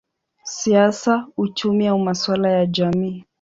siasa, uchumi au masuala ya jamii.